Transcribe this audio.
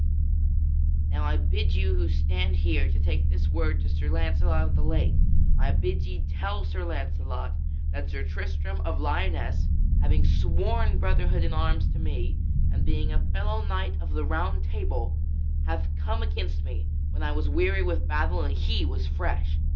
Now I bid you who stand here to take this word to Sir Launcelot of the Lake; I bid ye tell Sir Launcelot that Sir Tristram of Lyonesse, having sworn brother hood in arms to me, and being a fellow knight of the Round Table, hath come against me when I was weary with battle and he was fresh.